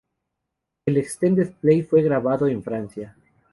El extended play fue grabado en Francia.